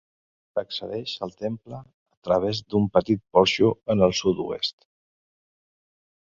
S'accedeix al temple a través d'un petit porxo en el sud-oest.